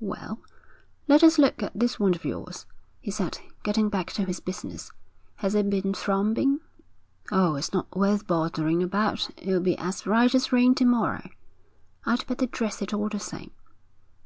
'Well, let us look at this wound of yours,' he said, getting back to his business. 'Has it been throbbing?' 'Oh, it's not worth bothering about. It'll be as right as rain to morrow.' 'I'd better dress it all the same.'